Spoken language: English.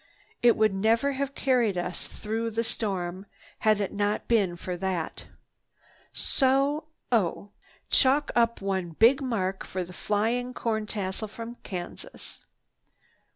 It would never have carried us through the storm had it not been for that. So—o! Chalk up one big mark for the Flying Corntassel from Kansas."